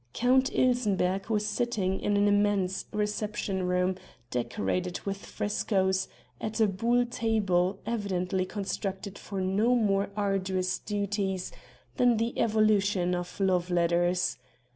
Count Ilsenbergh was sitting in an immense reception room decorated with frescoes, at a buhl table, evidently constructed for no more arduous duties than the evolution of love letters.